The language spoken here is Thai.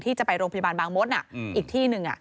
จะไปโรงพยาบาลบางมดอีกที่หนึ่ง